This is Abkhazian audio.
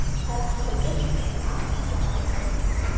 Ҳара ҳхатәы хьӡы аԥсуа ауп.